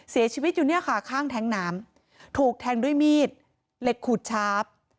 เสียชีวิตอยู่เนี่ยค่ะข้างแท้งน้ำถูกแทงด้วยมีดเหล็กขูดชาร์ฟ